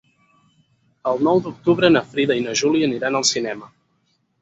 El nou d'octubre na Frida i na Júlia aniran al cinema.